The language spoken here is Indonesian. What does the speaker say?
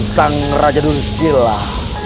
sang raja duncilah